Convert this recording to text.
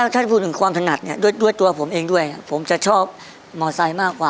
ถ้าพูดถึงความถนัดเนี่ยด้วยตัวผมเองด้วยผมจะชอบมอไซค์มากกว่า